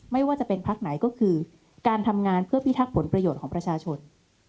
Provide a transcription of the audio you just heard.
ไม่ว่าจะเป็นพักไหนก็คือการทำงานเพื่อพิทักษ์ผลประโยชน์ของประชาชน